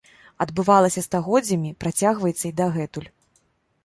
Адбывалася стагоддзямі, працягваецца і дагэтуль.